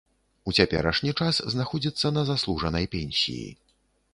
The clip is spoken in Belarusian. У цяперашні час знаходзіцца на заслужанай пенсіі.